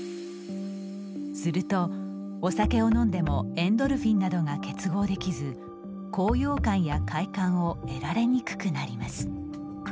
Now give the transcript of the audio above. すると、お酒を飲んでもエンドルフィンなどが結合できず高揚感や快感を得られにくくなります。